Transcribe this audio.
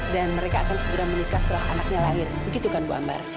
dan mereka akan segera menikah setelah anaknya lahir begitu kan bu ambar